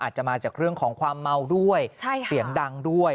อาจจะมาจากเรื่องของความเมาด้วยเสียงดังด้วย